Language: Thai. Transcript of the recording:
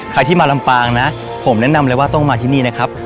ใครที่มาลำปางนะผมแนะนำเลยว่าต้องมาที่นี่นะครับ